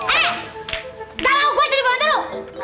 eh dah lo gue jadi pembantu lo